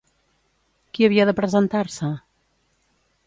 Qui havia de presentar-se?